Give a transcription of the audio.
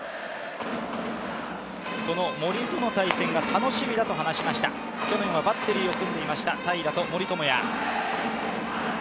森との対戦が楽しみだと話しました、去年はバッテリーを組んでいました平良と森友哉。